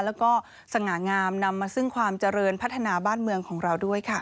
แล้วก็สง่างามนำมาซึ่งความเจริญพัฒนาบ้านเมืองของเราด้วยค่ะ